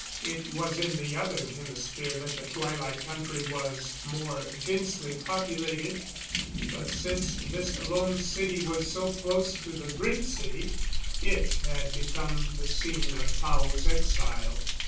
It was in the other hemisphere that the Twilight Country was more densely populated; but since this Lone City was so close to the Great City it had become the scene of Tao's exile.